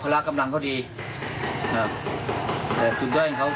เตรียมป้องกันแชมป์ที่ไทยรัฐไฟล์นี้โดยเฉพาะ